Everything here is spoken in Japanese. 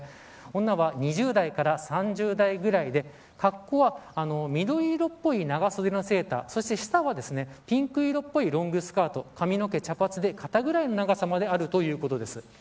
女は２０代から３０代ぐらいで格好は、緑色っぽい長袖のセーターそして下はピンク色っぽいロングスカート髪の毛茶髪で、肩ぐらいの長さまであるということです。